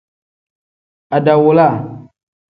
Adawula.